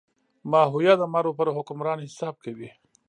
ماهویه د مرو پر حکمران حساب کوي.